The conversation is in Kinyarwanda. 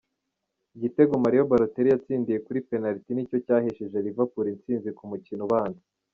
Igitego Mario Balotelli yatsindiye kuri penaliti nicyo cyahesheje Liverpool instsinzi ku mukino ubanza.